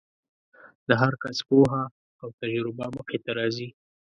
د هر کس پوهه او تجربه مخې ته راځي.